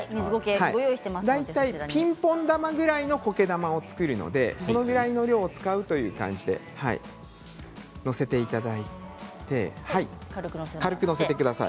ピンポン玉ぐらいのこけ玉を作るのでそれぐらいという感じで手のひらにのせていただいて軽くのせてください。